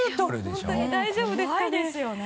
本当に大丈夫ですかね？